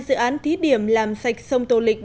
dự án thí điểm làm sạch sông tô lịch